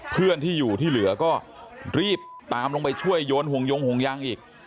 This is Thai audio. เพื่อนที่อยู่ที่เหลือก็รีบตามลงไปช่วยโยนห่วงยงห่วงยางอีก